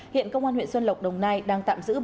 hiện công an huyện xuân lộc đồng nai đang tạm giữ